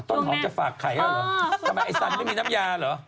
ต้นหอมจะฝากไข่แล้วเหรอทำไมไอ้สันไม่มีน้ำยาเหรอ